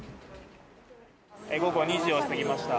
午後２時を過ぎました。